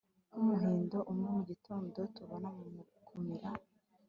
nk, umuhindo umwe mugitondo, tubona kumira